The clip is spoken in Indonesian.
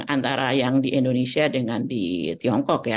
antara yang di indonesia dengan di tiongkok ya